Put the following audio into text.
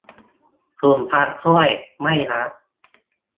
คุณพระช่วย ไม่นะ